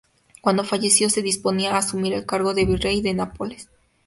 Cuando falleció, se disponía a asumir el cargo de Virrey de Nápoles.